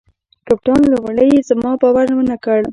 کپتان لومړي زما باور ونه کړ.